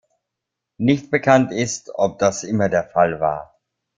Nicht bekannt ist, ob das immer der Fall war.